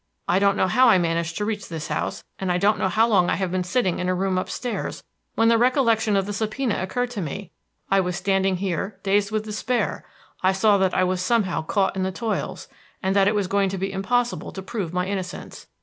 I don't know how I managed to reach this house, and I don't know how long I had been sitting in a room up stairs when the recollection of the subpoena occurred to me. I was standing here dazed with despair; I saw that I was somehow caught in the toils, and that it was going to be impossible to prove my innocence.